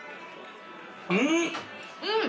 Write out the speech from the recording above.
うん！